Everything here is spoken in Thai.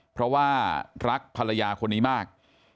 เพราะว่ารักภรรยาคนนี้มาก